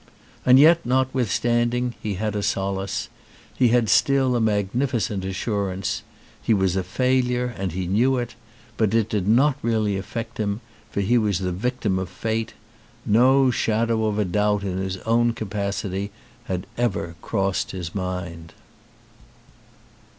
And yet, notwithstanding, he had a solace: he had still a magnificent assurance; he was a failure and he knew it ; but it did not really affect him, for he was the victim of fate: no shadow of a doubt in his own capacity had ever crossed his mind.